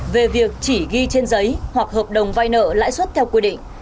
về việc chỉ ghi trên giấy hoặc hợp đồng vay nợ lãi suất theo quy định